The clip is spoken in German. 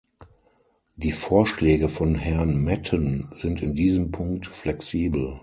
Die Vorschläge von Herrn Metten sind in diesem Punkt flexibel.